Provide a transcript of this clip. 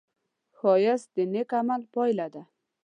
ښایست د نېک عمل پایله ده